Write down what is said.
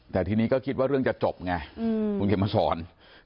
แต่ทีนี้ก็คิดว่าเรื่องจะจบไงคุณเขียนมาสอน